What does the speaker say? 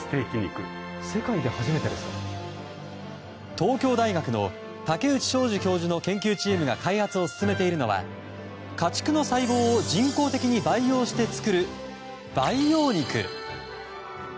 東京大学の竹内昌治教授の研究チームが開発を進めているのは家畜の細胞を人工的に培養して作る培養肉。